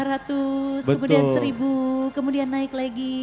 lima ratus kemudian seribu kemudian naik lagi